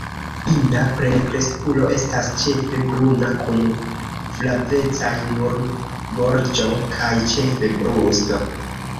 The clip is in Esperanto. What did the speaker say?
Ina plenkreskulo estas ĉefe bruna kun flavecaj nur gorĝo kaj ĉefe brusto.